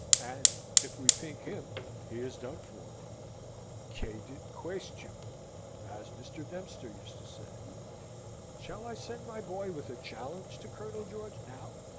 And if we pink him he is done for. 'Cadit quaestio,' as Mr. Dempster used to say. Shall I send my boy with a challenge to Colonel George now?"